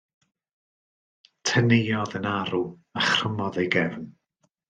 Teneuodd yn arw, a chrymodd ei gefn.